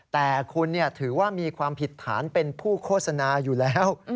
แต่คุณถือว่ามีความผิดฐานเป็นผู้โฆษณาอยู่แล้ว